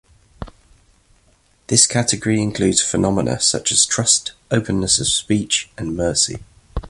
This category includes phenomena such as trust, openness of speech, and mercy.